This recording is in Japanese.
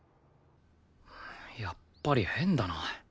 やっぱり変だな。